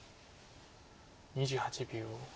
２８秒。